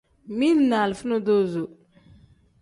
Mili ni alifa nonaza.